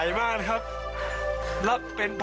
สวัสดีครับทุกคน